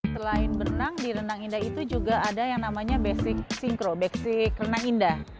selain berenang di renang indah itu juga ada yang namanya basic sinkro baksik renang indah